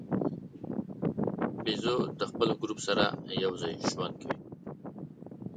بیزو د خپل ګروپ سره یو ځای ژوند کوي.